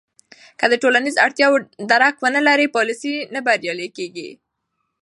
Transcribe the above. که د ټولنیزو اړتیاوو درک ونه لرې، پالیسۍ نه بریالۍ کېږي.